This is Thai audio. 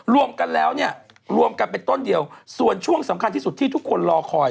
รวมกันแล้วเนี่ยรวมกันเป็นต้นเดียวส่วนช่วงสำคัญที่สุดที่ทุกคนรอคอย